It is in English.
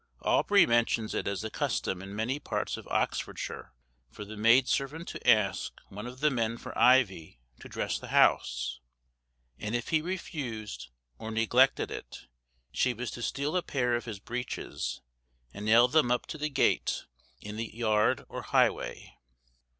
Aubrey mentions it as the custom in many parts of Oxfordshire for the maid servant to ask one of the men for ivy to dress the house, and if he refused or neglected it, she was to steal a pair of his breeches, and nail them up to the gate in the yard or highway.